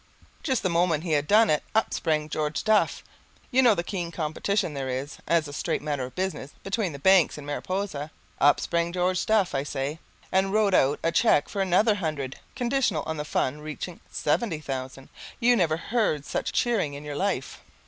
Just the moment he had done it, up sprang George Duff, you know the keen competition there is, as a straight matter of business, between the banks in Mariposa, up sprang George Duff, I say, and wrote out a cheque for another hundred conditional on the fund reaching seventy thousand. You never heard such cheering in your life.